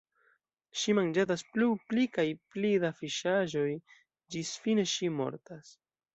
Ŝi manĝadas plu, pli kaj pli da fiŝaĵoj, ĝis fine ŝi – mortas.